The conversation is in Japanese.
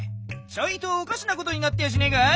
ちょいとおかしなことになってやしねえかい？